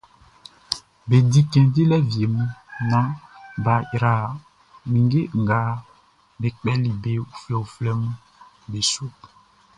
Be di cɛn dilɛ wie mun naan bʼa yra ninnge nga be kpɛli be uflɛuflɛʼn be su.